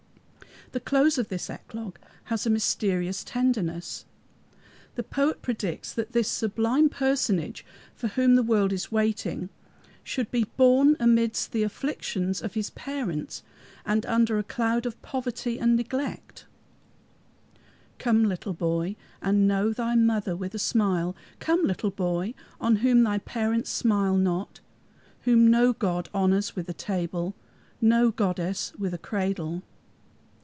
The close of this eclogue has a mysterious tenderness. The poet predicts that this sublime personage, for whom the world is waiting, should be born amidst the afflictions of his parents and under a cloud of poverty and neglect: "Come, little boy, and know thy mother with a smile. Come, little boy, on whom thy parents smile not, Whom no god honors with a table, No goddess with a cradle."